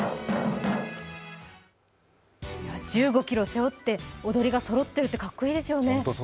１５ｋｇ背負って、踊りがそろってるってかっこいいですよね。